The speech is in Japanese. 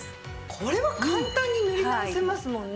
これは簡単に塗り直せますもんね。